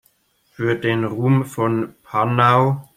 Für den Ruhm von Panau!